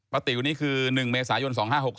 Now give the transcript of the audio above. ติ๋วนี่คือ๑เมษายน๒๕๖๖